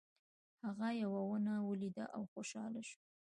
هغه یوه ونه ولیده او خوشحاله شو.